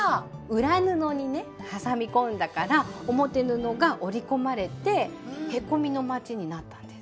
裏布にね挟み込んだから表布が折り込まれてへこみのまちになったんです。